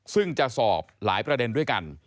ซึ่งจะสอบหลายประเด็นด้วยกัน